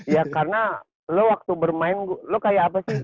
ya karena lo waktu bermain lo kayak apa sih